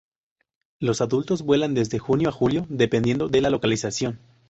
Los adultos vuelan desde junio a julio dependiendo de la localización.